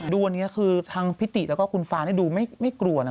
ดูอันนี้คือทางพิติแล้วก็คุณฟ้าดูไม่กลัวนะ